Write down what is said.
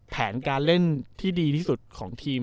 แผนการเล่นที่ดีที่สุดของทีม